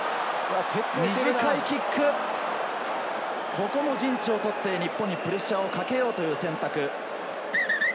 ここも陣地を取って、日本にプレッシャーをかけようという選択。